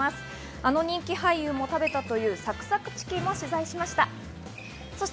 あの人気俳優も食べたというサクサクチキンも取材しました。